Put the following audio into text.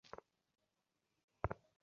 একটা নৈশপ্রহরীর চাকুরি পেয়েছি।